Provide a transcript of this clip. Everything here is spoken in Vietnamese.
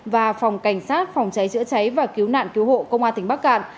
và phòng cảnh sát phòng cháy chữa cháy và cứu nạn cứu hộ công an tỉnh bắc cạn